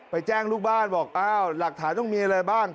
แจ้งลูกบ้านบอกอ้าวหลักฐานต้องมีอะไรบ้าง